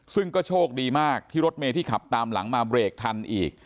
ซึ่งก็โชคดีมากที่รถเมย์ที่ขับตามหลังมาเบรกทันอีก